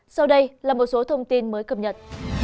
sau đây là một số thông tin mới cập nhật